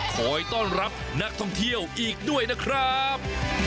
คอยต้อนรับนักท่องเที่ยวอีกด้วยนะครับ